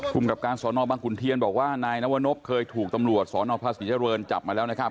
คุณกรรมการสนบังคุณเทียนบอกว่านายนวรรณพเคยถูกตำรวจสนพระศรีเจ้าเริญจับมาแล้วนะครับ